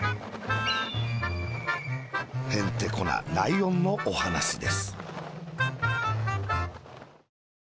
へんてこなライオンのおはなしです。